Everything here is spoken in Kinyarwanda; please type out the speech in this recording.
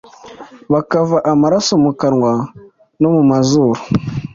bakava amaraso mu kanwa no mu mazuru